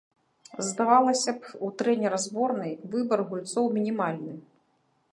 Здавалася б, у трэнера зборнай выбар гульцоў мінімальны.